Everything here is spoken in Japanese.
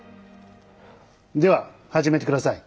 では始めて下さい！